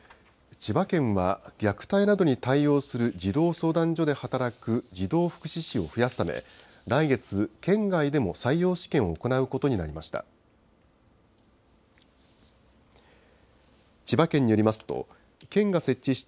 千葉県は、虐待などに対応する児童相談所で働く児童福祉司を増やすため、来月、県外でも採用試験を行うことになりました。